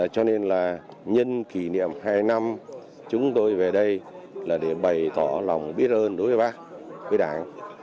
cho nên là nhân kỷ niệm hai năm chúng tôi về đây là để bày tỏ lòng biết ơn đối với bác với đảng